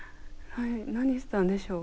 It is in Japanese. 何したんでしょう？